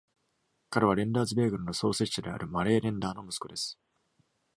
彼はレンダーズベーグルの創設者であるマレー・レンダーの息子です。